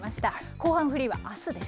後半フリーはあすです。